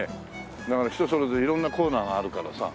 だから人それぞれ色んなコーナーがあるからさ。